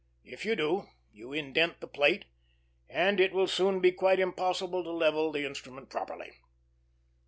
If you do, you indent the plate, and it will soon be quite impossible to level the instrument properly.